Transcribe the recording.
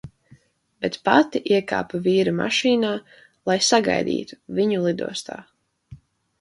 Bet pati iekāpu vīra mašīnā, lai "sagaidītu" viņu lidostā.